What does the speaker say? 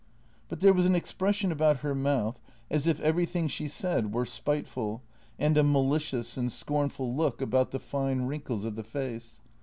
But there was an expression about her mouth as if everything she said were spiteful, and a malicious and scorn JENNY 130 ful look about the fine wrinkles of the face.